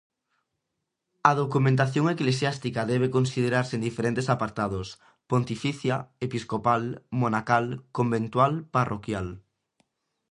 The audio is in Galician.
A documentación eclesiástica debe considerarse en diferentes apartados: pontificia, episcopal, monacal, conventual, parroquial.